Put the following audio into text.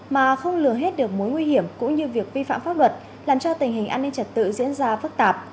mà không lừa hết được mối nguy hiểm cũng như việc vi phạm pháp luật làm cho tình hình an ninh trật tự diễn ra phức tạp